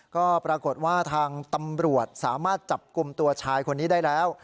ก็ปรากฏว่าทางตำรวจสามารถจับกลุ่มตัวชายคนนี้ได้แล้ว